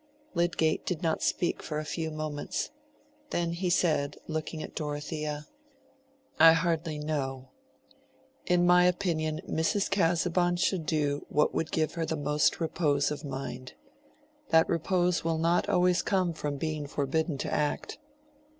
Lydgate did not speak for a few moments. Then he said, looking at Dorothea. "I hardly know. In my opinion Mrs. Casaubon should do what would give her the most repose of mind. That repose will not always come from being forbidden to act."